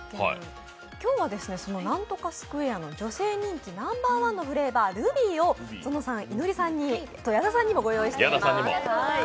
今日はそのなんとかスクエアの女性人気ナンバーワンのフレーバー、ルビーをゾノさん、いのりさん、矢田さんにもご用意しています。